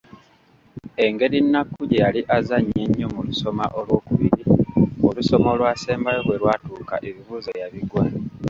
Engeri Nnakku gye yali azannya ennyo mu lusoma olw’okubiri, olusoma olwasembayo bwe lwatuuka ebibuuzo yabiggwa.